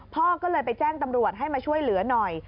พ่อก็เลยไปแจ้งตำรวจให้มาช่วยเหลือหน่อย